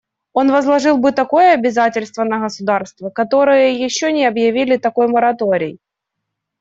Он возложил бы такое обязательство на государства, которые еще не объявили такой мораторий.